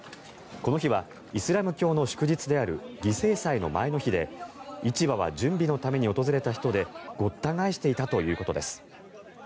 この日はイスラム教の祝日である犠牲祭の前の日で市場は準備のために訪れた人でごった返していたということです。